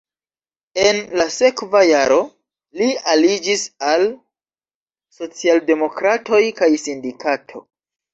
En la sekva jaro li aliĝis al socialdemokratoj kaj sindikato.